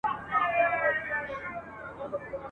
نه تميز د ښو او بدو به اوس كېږي !.